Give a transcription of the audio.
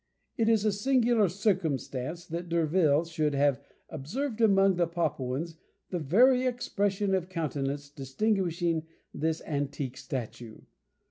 It is a singular circumstance that D'Urville should have observed among the Papuans the very expression of countenance distinguishing this antique statue.